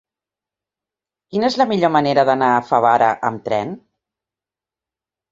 Quina és la millor manera d'anar a Favara amb tren?